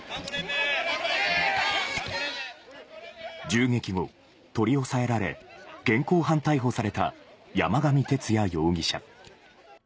銃撃後、取り押さえられ、現行犯逮捕された山上徹也容疑者。